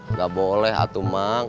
nggak boleh hatu mang